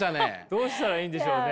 どうしたらいいんでしょうね？